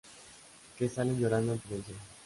que salen llorando en televisión